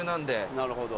なるほど。